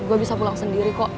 gue bisa pulang sendiri kok